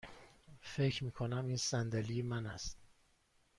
فکر می کنم این صندلی من است.